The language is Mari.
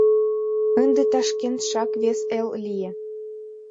Ынде Ташкентшат вес эл лие.